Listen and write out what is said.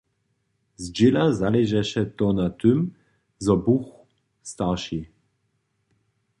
Zdźěla zaležeše to na tym, zo buch starši.